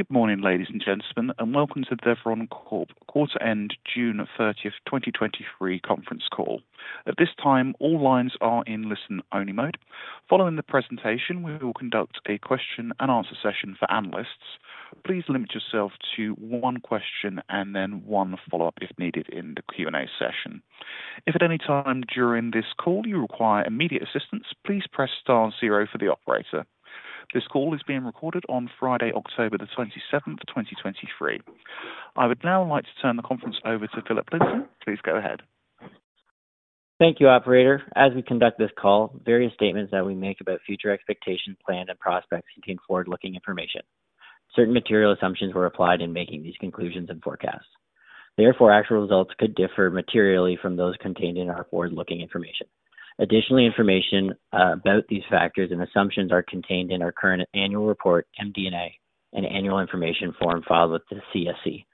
Good morning, ladies and gentlemen, and welcome to the Deveron Corp quarter end, June 30th, 2023 conference call. At this time, all lines are in listen-only mode. Following the presentation, we will conduct a question and answer session for analysts. Please limit yourself to one question and then one follow-up if needed in the Q&A session. If at any time during this call you require immediate assistance, please press star zero for the operator. This call is being recorded on Friday, October 27th, 2023. I would now like to turn the conference over to Philip Linton. Please go ahead. Thank you, operator. As we conduct this call, various statements that we make about future expectations, plans, and prospects contain forward-looking information. Certain material assumptions were applied in making these conclusions and forecasts. Therefore, actual results could differ materially from those contained in our forward-looking information. Additionally, information about these factors and assumptions are contained in our current annual report, MD&A, and annual information form filed with the CSE.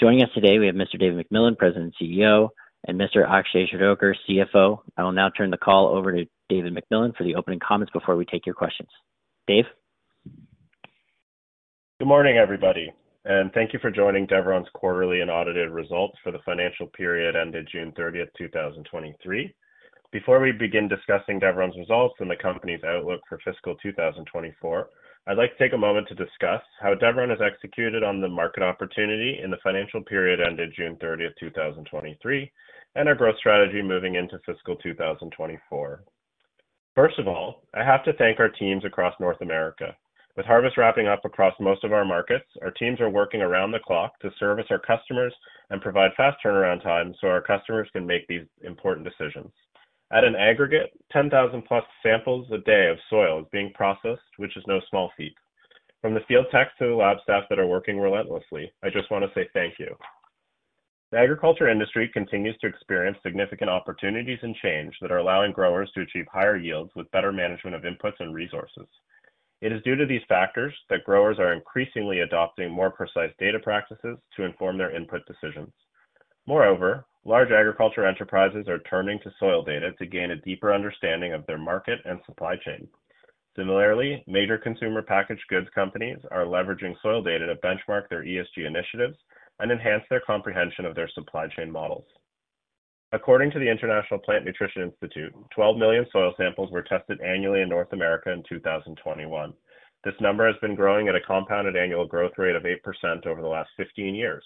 Joining us today, we have Mr. David MacMillan, President and CEO, and Mr. Akshay Shirodker, CFO. I will now turn the call over to David MacMillan for the opening comments before we take your questions. Dave? Good morning, everybody, and thank you for joining Deveron's quarterly and audited results for the financial period ended June 30, 2023. Before we begin discussing Deveron's results and the company's outlook for fiscal 2024, I'd like to take a moment to discuss how Deveron has executed on the market opportunity in the financial period ended June 30th, 2023, and our growth strategy moving into fiscal 2024. First of all, I have to thank our teams across North America. With harvest wrapping up across most of our markets, our teams are working around the clock to service our customers and provide fast turnaround times so our customers can make these important decisions. At an aggregate, 10,000+ samples a day of soil is being processed, which is no small feat. From the field tech to the lab staff that are working relentlessly, I just want to say thank you. The agriculture industry continues to experience significant opportunities and change that are allowing growers to achieve higher yields with better management of inputs and resources. It is due to these factors that growers are increasingly adopting more precise data practices to inform their input decisions. Moreover, large agriculture enterprises are turning to soil data to gain a deeper understanding of their market and supply chain. Similarly, major consumer packaged goods companies are leveraging soil data to benchmark their ESG initiatives and enhance their comprehension of their supply chain models. According to the International Plant Nutrition Institute, 12 million soil samples were tested annually in North America in 2021. This number has been growing at a compounded annual growth rate of 8% over the last 15 years.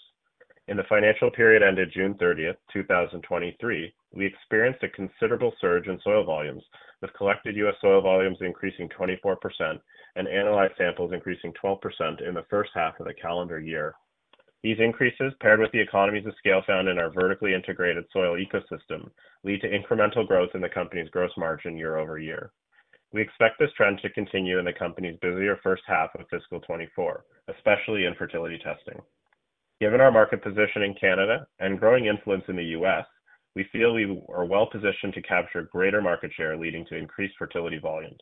In the financial period ended June 30th, 2023, we experienced a considerable surge in soil volumes, with collected U.S. soil volumes increasing 24% and analyzed samples increasing 12% in the first half of the calendar year. These increases, paired with the economies of scale found in our vertically integrated soil ecosystem, lead to incremental growth in the company's gross margin year-over-year. We expect this trend to continue in the company's busier first half of fiscal 2024, especially in fertility testing. Given our market position in Canada and growing influence in the U.S., we feel we are well-positioned to capture greater market share, leading to increased fertility volumes.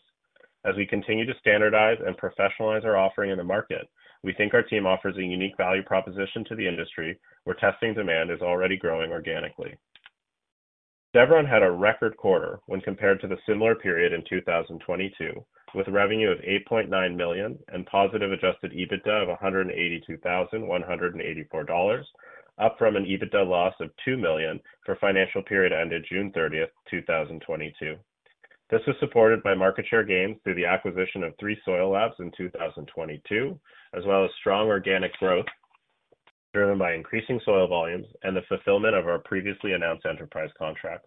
As we continue to standardize and professionalize our offering in the market, we think our team offers a unique value proposition to the industry, where testing demand is already growing organically. Deveron had a record quarter when compared to the similar period in 2022, with revenue of 8.9 million and positive adjusted EBITDA of 182,184 dollars, up from an EBITDA loss of 2 million for the financial period ended June 30th, 2022. This was supported by market share gains through the acquisition of three soil labs in 2022, as well as strong organic growth driven by increasing soil volumes and the fulfillment of our previously announced enterprise contracts.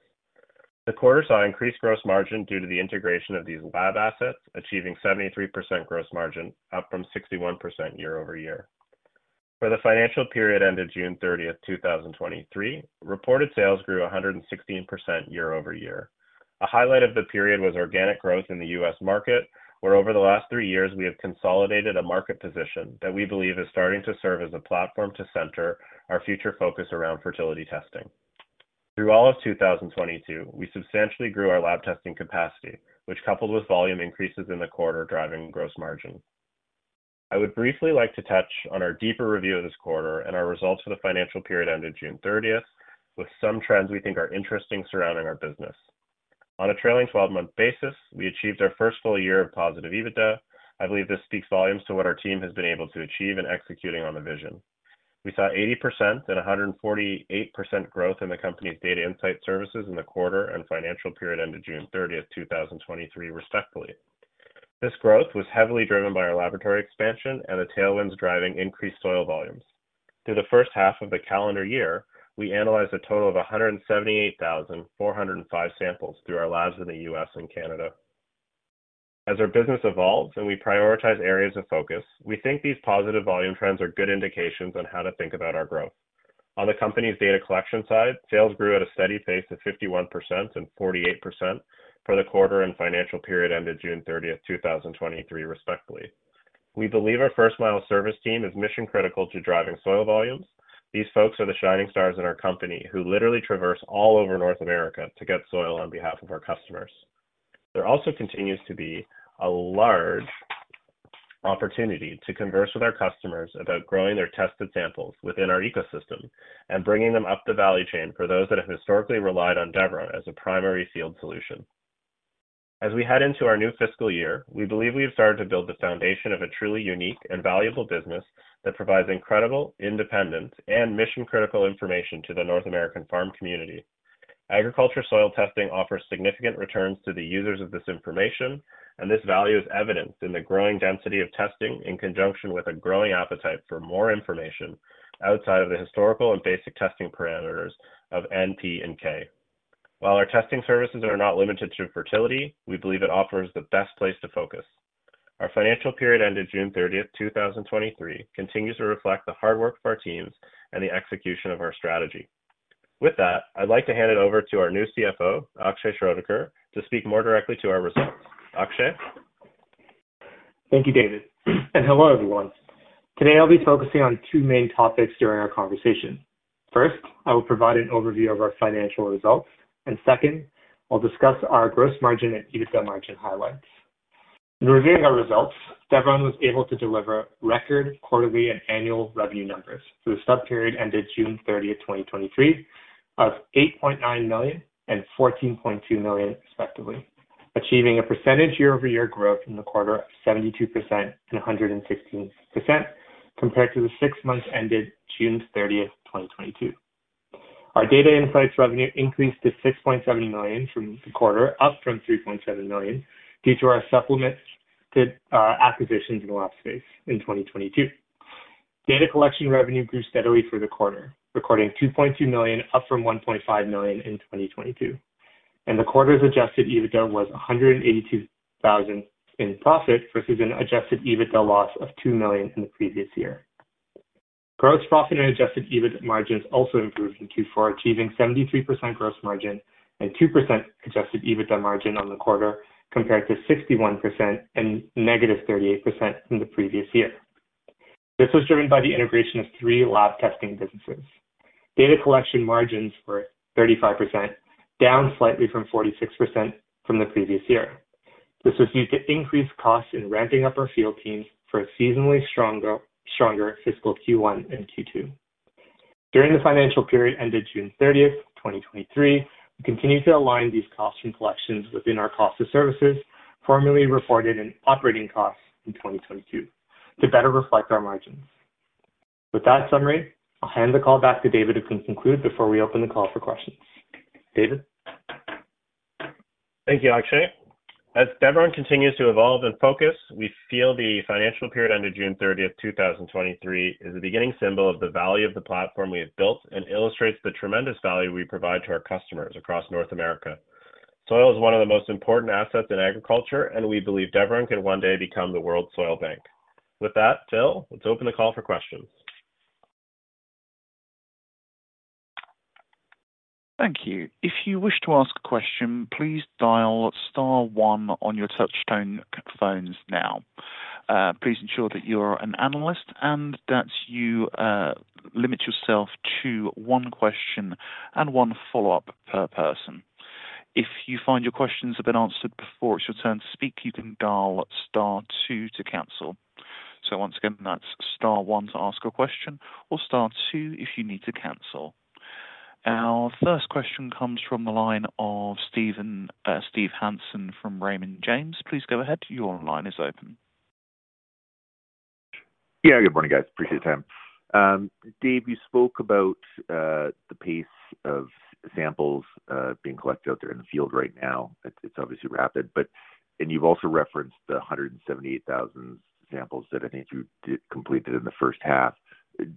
The quarter saw increased gross margin due to the integration of these lab assets, achieving 73% gross margin, up from 61% year-over-year. For the financial period ended June 30, 2023, reported sales grew 116% year-over-year. A highlight of the period was organic growth in the U.S. market, where over the last three years, we have consolidated a market position that we believe is starting to serve as a platform to center our future focus around fertility testing. Through all of 2022, we substantially grew our lab testing capacity, which coupled with volume increases in the quarter, driving gross margin. I would briefly like to touch on our deeper review of this quarter and our results for the financial period ended June 30th, with some trends we think are interesting surrounding our business. On a trailing 12-month basis, we achieved our first full year of positive EBITDA. I believe this speaks volumes to what our team has been able to achieve in executing on the vision. We saw 80% and 148% growth in the company's data insight services in the quarter and financial period ended June 30th, 2023, respectively. This growth was heavily driven by our laboratory expansion and the tailwinds driving increased soil volumes. Through the first half of the calendar year, we analyzed a total of 178,405 samples through our labs in the U.S. and Canada. As our business evolves and we prioritize areas of focus, we think these positive volume trends are good indications on how to think about our growth. On the company's data collection side, sales grew at a steady pace of 51% and 48% for the quarter and financial period ended June 30th, 2023, respectively. We believe our first mile service team is mission-critical to driving soil volumes. These folks are the shining stars in our company who literally traverse all over North America to get soil on behalf of our customers. There also continues to be a large opportunity to converse with our customers about growing their tested samples within our ecosystem and bringing them up the value chain for those that have historically relied on Deveron as a primary field solution. As we head into our new fiscal year, we believe we have started to build the foundation of a truly unique and valuable business that provides incredible, independent, and mission-critical information to the North American farm community. Agriculture soil testing offers significant returns to the users of this information, and this value is evidenced in the growing density of testing in conjunction with a growing appetite for more information outside of the historical and basic testing parameters of N, P, and K. While our testing services are not limited to fertility, we believe it offers the best place to focus. Our financial period, ended June 30th, 2023, continues to reflect the hard work of our teams and the execution of our strategy. With that, I'd like to hand it over to our new CFO, Akshay Shirodker, to speak more directly to our results. Akshay? Thank you, David, and hello, everyone. Today I'll be focusing on two main topics during our conversation. First, I will provide an overview of our financial results, and second, I'll discuss our gross margin and EBITDA margin highlights. In reviewing our results, Deveron was able to deliver record, quarterly, and annual revenue numbers for the sub-period ended June 30th, 2023, of 8.9 million and 14.2 million, respectively, achieving a percentage year-over-year growth in the quarter of 72% and 116% compared to the six months ended June 30th, 2022. Our data insights revenue increased to 6.7 million from the quarter, up from 3.7 million, due to our supplement acquisitions in the lab space in 2022. Data collection revenue grew steadily for the quarter, recording 2.2 million, up from 1.5 million in 2022, and the quarter's adjusted EBITDA was 182,000 in profit, versus an adjusted EBITDA loss of 2 million in the previous year. Gross profit and adjusted EBITDA margins also improved in Q4, achieving 73% gross margin and 2% adjusted EBITDA margin on the quarter, compared to 61% and -38% in the previous year. This was driven by the integration of three lab testing businesses. Data collection margins were 35%, down slightly from 46% from the previous year. This was due to increased costs in ramping up our field teams for a seasonally stronger, stronger fiscal Q1 and Q2. During the financial period ended June 30th, 2023, we continued to align these costs from collections within our cost of services, formerly reported in operating costs in 2022, to better reflect our margins. With that summary, I'll hand the call back to David, who can conclude before we open the call for questions. David? Thank you, Akshay. As Deveron continues to evolve and focus, we feel the financial period under June 30th, 2023, is the beginning symbol of the value of the platform we have built and illustrates the tremendous value we provide to our customers across North America. Soil is one of the most important assets in agriculture, and we believe Deveron can one day become the world's soil bank. With that, Phil, let's open the call for questions. Thank you. If you wish to ask a question, please dial star one on your touchtone phones now. Please ensure that you're an analyst and that you limit yourself to one question and one follow-up per person. If you find your questions have been answered before it's your turn to speak, you can dial star two to cancel. So once again, that's star one to ask a question or star two if you need to cancel. Our first question comes from the line of Steve Hansen from Raymond James. Please go ahead. Your line is open. Yeah, good morning, guys. Appreciate your time. Dave, you spoke about the pace of samples being collected out there in the field right now. It's obviously rapid, but—and you've also referenced the 178,000 samples that I think you completed in the first half.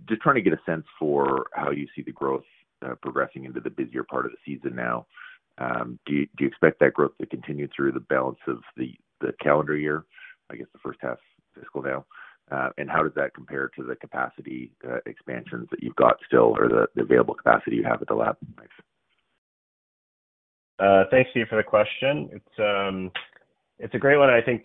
Just trying to get a sense for how you see the growth progressing into the busier part of the season now. Do you expect that growth to continue through the balance of the calendar year, I guess, the first half fiscal now? And how does that compare to the capacity expansions that you've got still or the available capacity you have at the lab? Thanks, Steve, for the question. It's a great one. I think,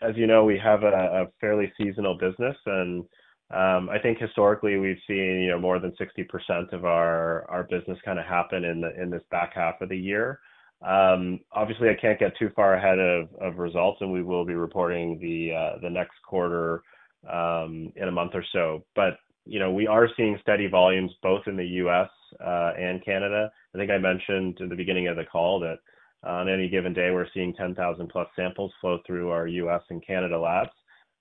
as you know, we have a fairly seasonal business, and I think historically we've seen, you know, more than 60% of our business kinda happen in this back half of the year. Obviously, I can't get too far ahead of results, and we will be reporting the next quarter in a month or so. But, you know, we are seeing steady volumes both in the U.S. and Canada. I think I mentioned in the beginning of the call that on any given day, we're seeing 10,000+ samples flow through our U.S. and Canada labs.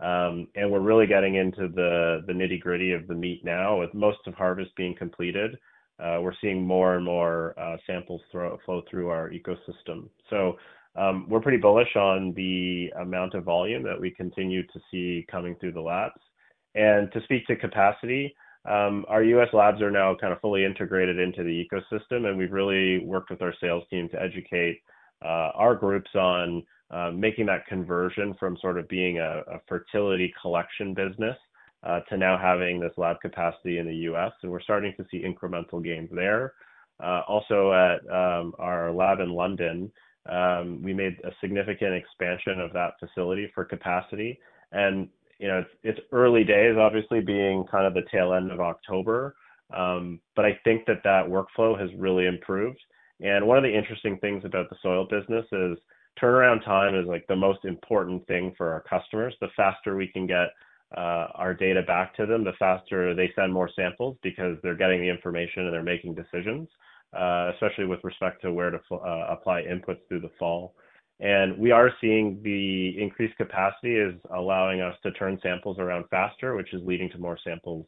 And we're really getting into the nitty-gritty of the meat now. With most of harvest being completed, we're seeing more and more samples flow through our ecosystem. So, we're pretty bullish on the amount of volume that we continue to see coming through the labs. And to speak to capacity, our U.S. labs are now kind of fully integrated into the ecosystem, and we've really worked with our sales team to educate our groups on making that conversion from sort of being a fertility collection business to now having this lab capacity in the U.S., and we're starting to see incremental gains there. Also at our lab in London, we made a significant expansion of that facility for capacity. And, you know, it's early days, obviously, being kind of the tail end of October, but I think that workflow has really improved. One of the interesting things about the soil business is turnaround time is, like, the most important thing for our customers. The faster we can get our data back to them, the faster they send more samples because they're getting the information and they're making decisions, especially with respect to where to apply inputs through the fall. We are seeing the increased capacity is allowing us to turn samples around faster, which is leading to more samples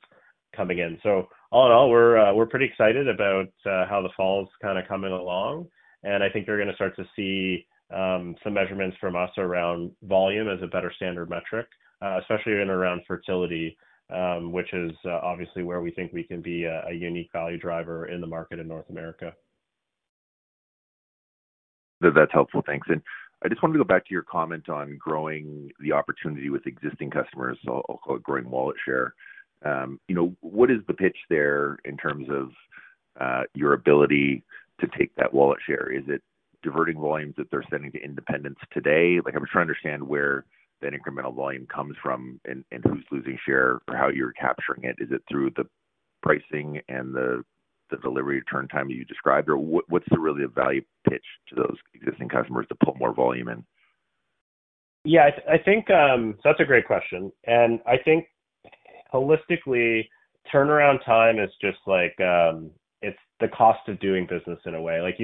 coming in. So all in all, we're pretty excited about how the fall's kind of coming along, and I think you're gonna start to see some measurements from us around volume as a better standard metric, especially in around fertility, which is obviously where we think we can be a unique value driver in the market in North America. That's helpful. Thanks. And I just wanted to go back to your comment on growing the opportunity with existing customers, so I'll call it growing wallet share. You know, what is the pitch there in terms of your ability to take that wallet share? Is it diverting volumes that they're sending to independents today? Like, I'm trying to understand where that incremental volume comes from and who's losing share or how you're capturing it. Is it through the pricing and the delivery turn time you described? Or what's the really value pitch to those existing customers to put more volume in? Yeah, I think. That's a great question, and I think holistically, turnaround time is just like, it's the cost of doing business in a way. Like,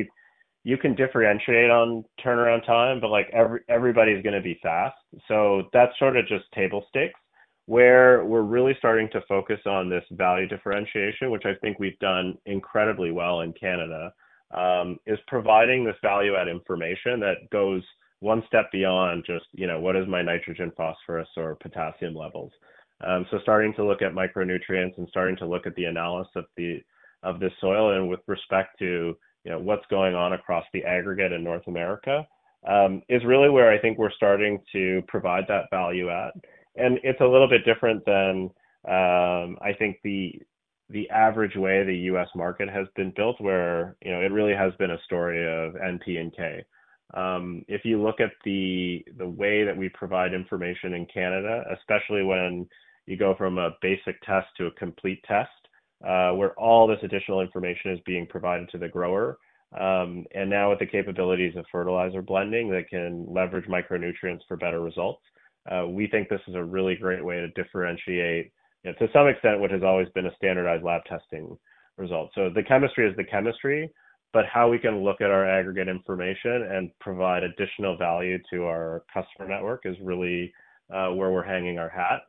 you can differentiate on turnaround time, but, like, everybody's gonna be fast. So that's sort of just table stakes. Where we're really starting to focus on this value differentiation, which I think we've done incredibly well in Canada, is providing this value-add information that goes one step beyond just, you know, what is my nitrogen, phosphorus, or potassium levels. So starting to look at micronutrients and starting to look at the analysis of the soil and with respect to, you know, what's going on across the aggregate in North America, is really where I think we're starting to provide that value-add. It's a little bit different than, I think the average way the U.S. market has been built, where, you know, it really has been a story of N, P, and K. If you look at the way that we provide information in Canada, especially when you go from a basic test to a complete test, where all this additional information is being provided to the grower, and now with the capabilities of fertilizer blending that can leverage micronutrients for better results, we think this is a really great way to differentiate, and to some extent, what has always been a standardized lab testing result. So the chemistry is the chemistry, but how we can look at our aggregate information and provide additional value to our customer network is really where we're hanging our hat.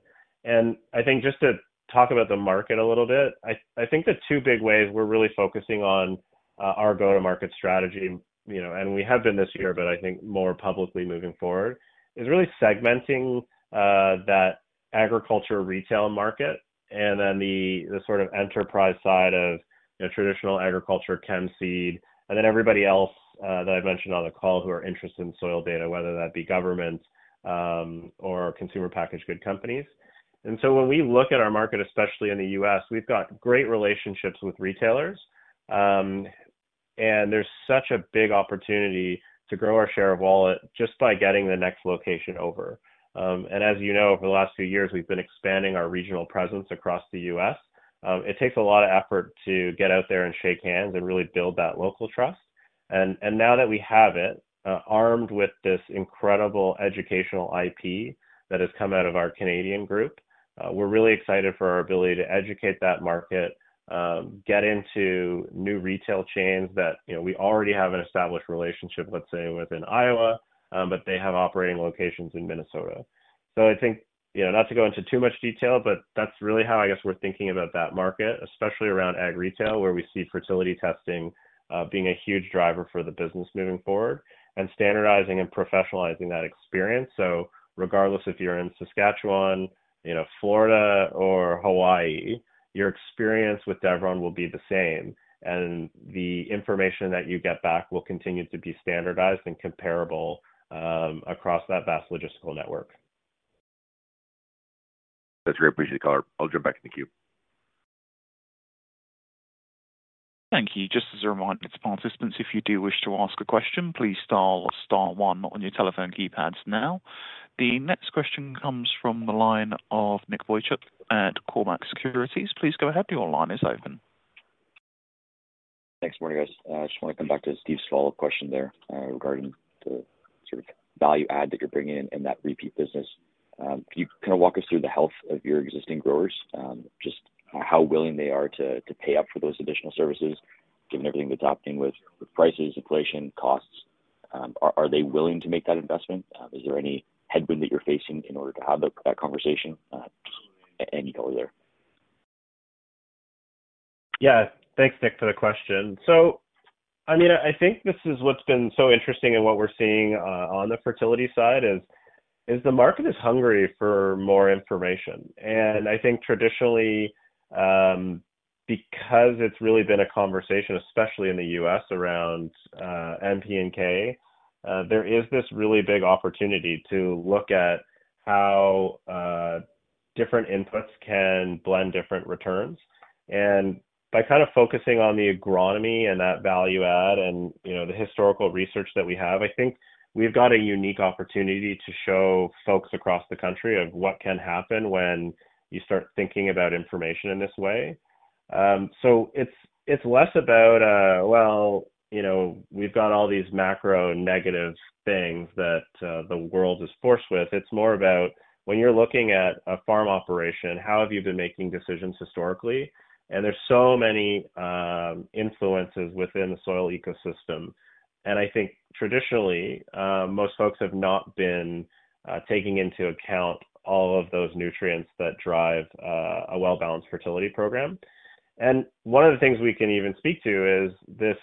I think just to talk about the market a little bit, I think the two big ways we're really focusing on our go-to-market strategy, you know, and we have been this year, but I think more publicly moving forward, is really segmenting that agriculture retail market and then the sort of enterprise side of, you know, traditional agriculture, chem seed, and then everybody else that I've mentioned on the call who are interested in soil data, whether that be government or consumer packaged goods companies. When we look at our market, especially in the U.S., we've got great relationships with retailers, and there's such a big opportunity to grow our share of wallet just by getting the next location over. As you know, over the last few years, we've been expanding our regional presence across the U.S. It takes a lot of effort to get out there and shake hands and really build that local trust. And now that we have it, armed with this incredible educational IP that has come out of our Canadian group, we're really excited for our ability to educate that market, get into new retail chains that, you know, we already have an established relationship, let's say, within Iowa, but they have operating locations in Minnesota. So I think, you know, not to go into too much detail, but that's really how I guess we're thinking about that market, especially around ag retail, where we see fertility testing being a huge driver for the business moving forward, and standardizing and professionalizing that experience. So regardless if you're in Saskatchewan, you know, Florida or Hawaii, your experience with Deveron will be the same, and the information that you get back will continue to be standardized and comparable, across that vast logistical network. That's great. Appreciate for the color. I'll jump back in the queue. Thank you. Just as a reminder to participants, if you do wish to ask a question, please press star one on your telephone keypads now. The next question comes from the line of Nick Boychuk at Cormark Securities. Please go ahead. Your line is open. Thanks. Morning, guys. I just want to come back to Steve's follow-up question there, regarding the sort of value add that you're bringing in, in that repeat business. Can you kind of walk us through the health of your existing growers, just how willing they are to pay up for those additional services, given everything they're dealing with, with prices, inflation, costs? Are they willing to make that investment? Is there any headwind that you're facing in order to have that conversation? Just any color there. Yeah. Thanks, Nick, for the question. So, I mean, I think this is what's been so interesting in what we're seeing on the fertility side, the market is hungry for more information. And I think traditionally, because it's really been a conversation, especially in the U.S. around N, P, and K, there is this really big opportunity to look at how different inputs can blend different returns. And by kind of focusing on the agronomy and that value add and, you know, the historical research that we have, I think we've got a unique opportunity to show folks across the country of what can happen when you start thinking about information in this way. So it's less about, well, you know, we've got all these macro negative things that the world is forced with. It's more about when you're looking at a farm operation, how have you been making decisions historically? There's so many influences within the soil ecosystem, and I think traditionally, most folks have not been taking into account all of those nutrients that drive a well-balanced fertility program. One of the things we can even speak to is this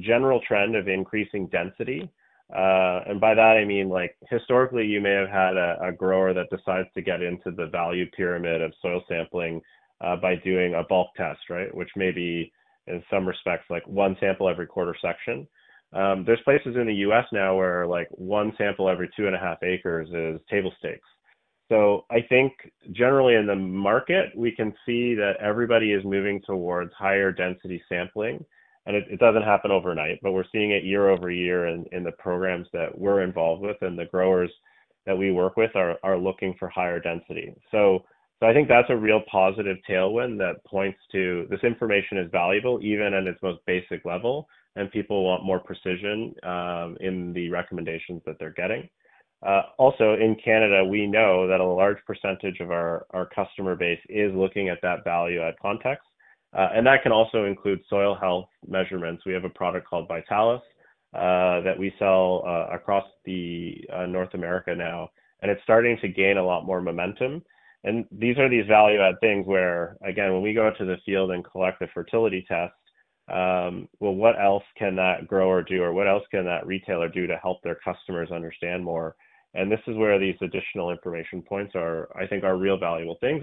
general trend of increasing density. I mean, like, historically, you may have had a grower that decides to get into the value pyramid of soil sampling by doing a bulk test, right? Which may be, in some respects, like one sample every quarter section. There's places in the U.S. now where, like, one sample every 2.5 acres is table stakes. So I think generally in the market, we can see that everybody is moving towards higher density sampling, and it doesn't happen overnight, but we're seeing it year-over-year in the programs that we're involved with. And the growers that we work with are looking for higher density. So I think that's a real positive tailwind that points to this information is valuable, even at its most basic level, and people want more precision in the recommendations that they're getting. Also, in Canada, we know that a large percentage of our customer base is looking at that value-add context, and that can also include soil health measurements. We have a product called Vitalis that we sell across North America now, and it's starting to gain a lot more momentum. These are these value-add things where, again, when we go out to the field and collect the fertility test, well, what else can that grower do, or what else can that retailer do to help their customers understand more? And this is where these additional information points are, I think, are real valuable things.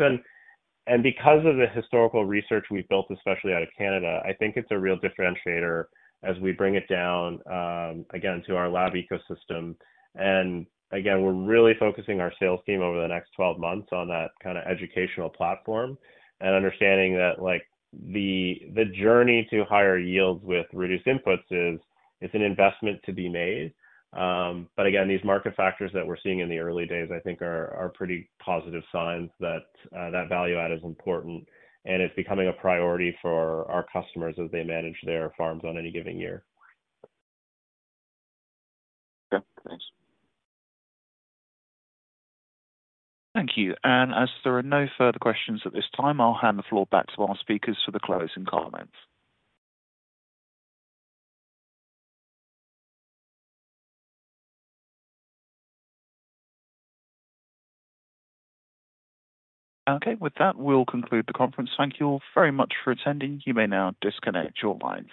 And, and because of the historical research we've built, especially out of Canada, I think it's a real differentiator as we bring it down, again, to our lab ecosystem. And again, we're really focusing our sales team over the next 12 months on that kinda educational platform and understanding that, like, the journey to higher yields with reduced inputs is, it's an investment to be made. But again, these market factors that we're seeing in the early days, I think are pretty positive signs that value add is important, and it's becoming a priority for our customers as they manage their farms on any given year. Okay, thanks. Thank you. As there are no further questions at this time, I'll hand the floor back to our speakers for the closing comments. Okay, with that, we'll conclude the conference. Thank you all very much for attending. You may now disconnect your lines.